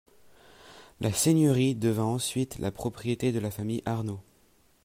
La seigneurie devint ensuite la propriété de la famille Arnaud.